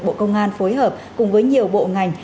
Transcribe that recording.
bộ công an phối hợp cùng với nhiều bộ ngành